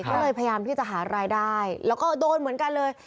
ก็เลยพยายามที่จะหารายได้แล้วก็โดนเหมือนกันเลย